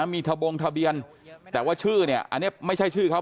มีทะบงทะเบียนแต่ว่าชื่อเนี่ยอันนี้ไม่ใช่ชื่อเขา